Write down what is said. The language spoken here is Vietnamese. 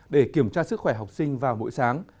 để kiểm tra sức khỏe học sinh vào buổi sáng